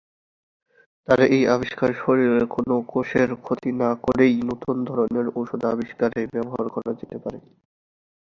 তার এই আবিষ্কার শরীরের কোন কোষের ক্ষতি না করেই নতুন ধরনের ঔষধ আবিষ্কারে ব্যবহার করা যেতে পারে।